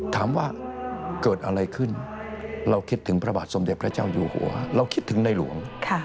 ถามว่าเกิดอะไรขึ้นเราคิดถึงพระบาทสมเด็จพระเจ้าอยู่หัวเราคิดถึงในหลวง